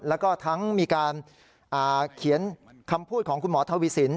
แล้วก็ทั้งมีการเขียนคำพูดของคุณหมอทวีสิน